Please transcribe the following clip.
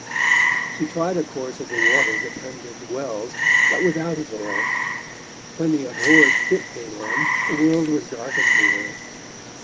She tried a course of the waters at Tunbridge Wells, but without avail. When the abhorred fit came on, the world was darkened to her.